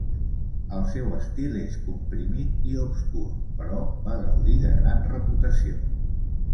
El seu estil és comprimit i obscur, però va gaudir de gran reputació.